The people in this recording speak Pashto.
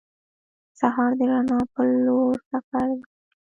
سهار د رڼا په لور سفر دی.